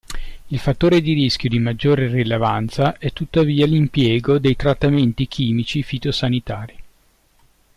Il fattore di rischio di maggiore rilevanza è tuttavia l'impiego dei trattamenti chimici fitosanitari.